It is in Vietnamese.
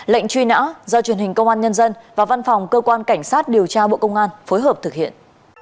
lệnh truy nã do truyền hình công an nhân dân và văn phòng cơ quan cảnh sát điều tra bộ công an phối hợp thực hiện